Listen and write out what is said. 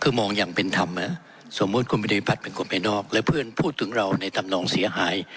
คือมองอย่างเป็นธรรมสมมุติคุณบริพัฒน์เป็นคนภายนอกและเพื่อนพูดถึงเราในธรรมนองเสียหาย